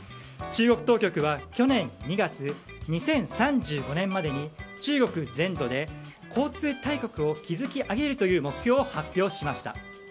中国当局は去年２月２０３５年までに中国全土で交通大国を築き上げるという目標を発表しました。